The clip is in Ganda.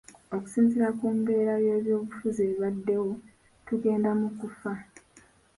Okusinziira ku mbeera y’ebyobufuzi ebaddewo tugenda mu kufa.